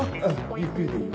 ゆっくりでいい。